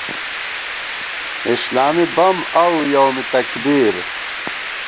اسلامی بم اؤ یومِ تکبیر